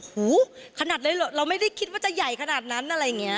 หูขนาดเลยเหรอเราไม่ได้คิดว่าจะใหญ่ขนาดนั้นอะไรอย่างนี้